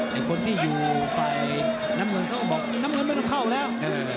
ไหนคนที่อยู่ฝ่ายน้ำเมืองเขาบอกน้ำเมืองแม่งไม่ต้องเข้าแล้ว